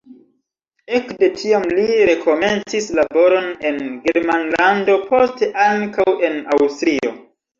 Ekde tiam li rekomencis laboron en Germanlando, poste ankaŭ en Aŭstrio.